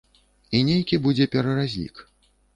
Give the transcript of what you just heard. І нейкі будзе пераразлік.